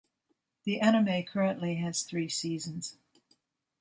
The anime currently has three seasons.